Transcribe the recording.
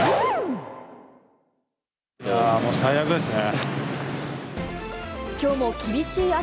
もう最悪ですね。